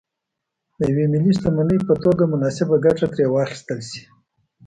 د یوې ملي شتمنۍ په توګه مناسبه ګټه ترې واخیستل شي.